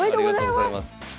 ありがとうございます。